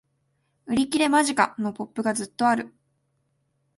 売り切れ間近！のポップがずっとある